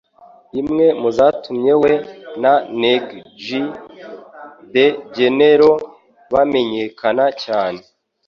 imwe mu zatumye we na Neg-G the General bamenyekana cyane